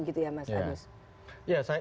begitu ya mas agus ya